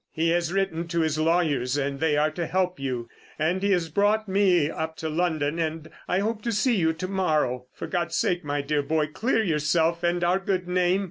He has written to his lawyers and they are to help you, and he has brought me up to London, and I hope to see you to morrow. For God's sake, my dear boy, clear yourself and our good name!